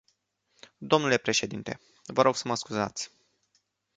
Dle președinte, vă rog să mă scuzați.